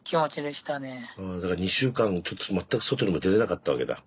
だから２週間ちょっと全く外にも出れなかったわけだ。